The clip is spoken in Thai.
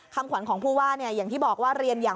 คำขวัญของผู้ว่าอย่างที่บอกว่า